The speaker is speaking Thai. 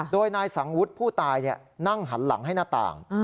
โดยนายสังวุฒิผู้ตายนั่งหันหลังให้หน้าต่าง